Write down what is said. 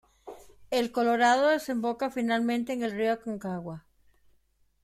El Colorado desemboca finalmente en el Río Aconcagua.